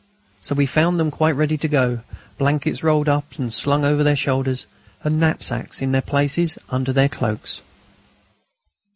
So we found them quite ready to go, blankets rolled up and slung over their shoulders, and knapsacks in their places under their cloaks.